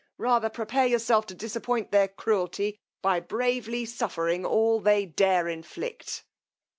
rather prepare yourself to disappoint their cruelty, by bravely suffering all they dare inflict.